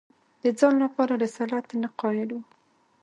د ځان لپاره رسالت نه قایل وو